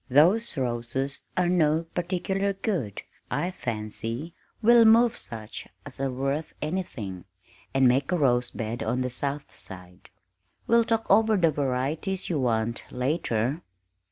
Those roses are no particular good, I fancy; we'll move such as are worth anything, and make a rose bed on the south side we'll talk over the varieties you want, later.